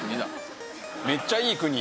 めっちゃいい国。